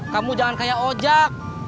kamu jangan kayak ojak